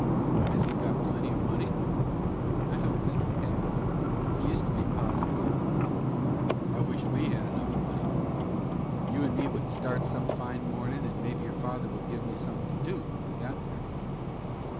"Has he got plenty of money?" "I don't think he has. He used to be pa's clerk." "I wish we had enough money. You and me would start some fine mornin', and mebbe your father would give me something to do when we got there."